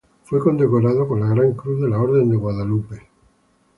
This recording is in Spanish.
Fue condecorado con la Gran Cruz de la Orden de Guadalupe.